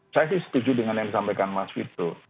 saya setuju dengan yang disampaikan mas wito